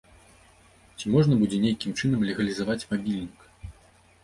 Ці можна будзе нейкім чынам легалізаваць мабільнік?